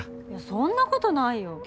そんなことないよ。